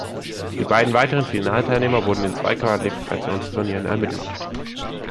Die beiden weiteren Finalteilnehmer wurden in zwei Qualifikationsturnieren ermittelt.